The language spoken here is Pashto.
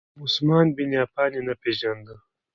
عثمان بن عفان یې نه پیژاند.